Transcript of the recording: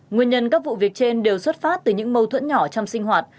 nguyên nhân các vụ việc trên đều xuất phát từ những mâu thuẫn nhỏ trong sinh hoạt